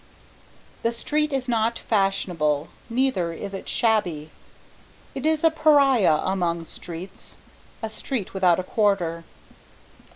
I The street is not fashionable, neither is it shabby. It is a pariah among streets a street without a Quarter.